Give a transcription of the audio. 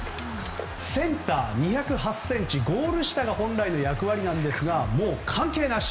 センター２０８ｃｍゴール下が本来の役割ですがもう関係なし。